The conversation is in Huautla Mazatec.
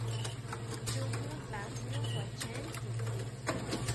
Nyujun tajñú kuachen chuti.